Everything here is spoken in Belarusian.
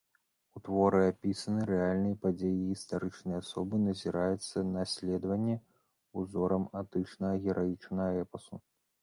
У творы апісаны рэальныя падзеі і гістарычныя асобы, назіраецца наследаванне ўзорам антычнага гераічнага эпасу.